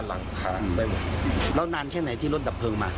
แล้วนานแค่ไหนที่รถดับเพลิงมา